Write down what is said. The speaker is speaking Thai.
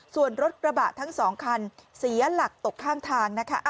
ส่วนรถกระบะทั้งสองคันเสียหลักตกข้างทางนะคะ